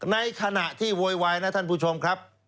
ในขณะที่โวยวายนะท่านผู้ชมครับ